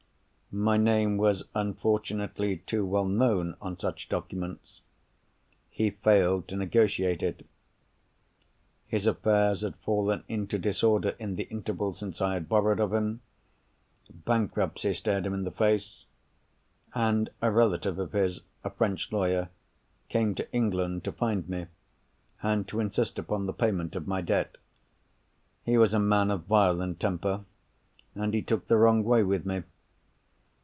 My name was unfortunately too well known on such documents: he failed to negotiate it. His affairs had fallen into disorder, in the interval since I had borrowed of him; bankruptcy stared him in the face; and a relative of his, a French lawyer, came to England to find me, and to insist upon the payment of my debt. He was a man of violent temper; and he took the wrong way with me.